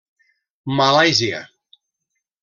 Malàisia.